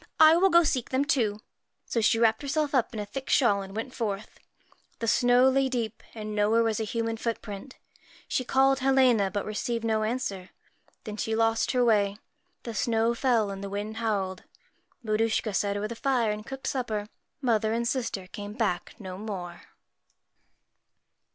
' I will go seek them too.' 77 PRETTY So she wrapped herself up in a thick shawl and MAR went forth. The S now lay deep, and nowhere was a human footprint. She called Helena, but received no answer. Then she lost her way. The snow fell, and the wind howled. Maruschka sat over the fire and cooked supper. Mother and sister came back no more.